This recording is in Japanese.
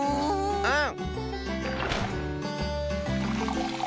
うん。